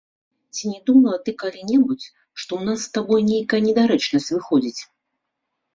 Ці не думала ты калі-небудзь, што ў нас з табой нейкая недарэчнасць выходзіць.